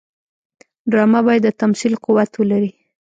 ډرامه باید د تمثیل قوت ولري